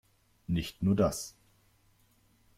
Nicht nur das.